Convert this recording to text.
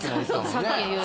そう。